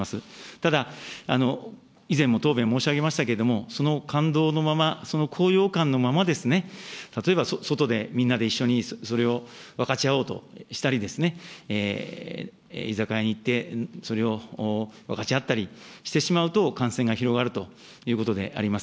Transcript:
ただ、以前も答弁申し上げましたけれども、その感動のまま、その高揚感のままですね、例えば外でみんなで一緒にそれを分かち合おうとしたりですね、居酒屋に行って、それを分かち合ったりしてしまうと、感染が広がるということであります。